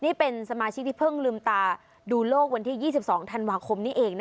นี่เป็นสมาชิกที่เพิ่งลืมตาดูโลกวันที่๒๒ธันวาคมนี้เอง